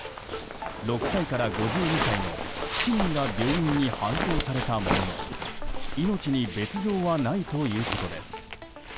６歳から５２歳の７人が病院に搬送されたものの命に別条はないということです。